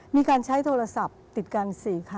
มีการใช้โทรศัพท์ติดกัน๔คัน